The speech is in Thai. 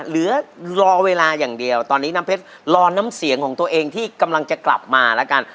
เหลือรอเวลาอย่างเดียวตอนนี้น้ำเพชรรอน้ำเสียงของตัวเองที่กำลังจะกลับมาแล้วกัน